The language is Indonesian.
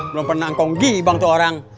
belum pernah kong gibang tuh orang